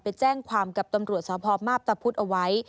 ไปแจ้งความกับตำรวจสพมาพตะพุธเอาไว้